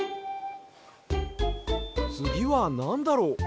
つぎはなんだろう？